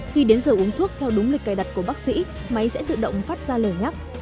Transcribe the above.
khi đến giờ uống thuốc theo đúng lịch cài đặt của bác sĩ máy sẽ tự động phát ra lời nhắc